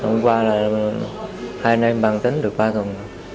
hôm qua là hai anh em bàn tính được ba tuần